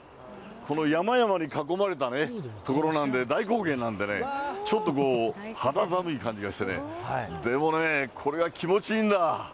この山々に囲まれたね、所なんで、大高原なんでね、ちょっとこう、肌寒い感じがしてね、でもね、これが気持ちいいんだ。